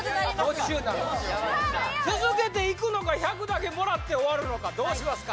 没収になる続けていくのか１００だけもらって終わるのかどうしますか？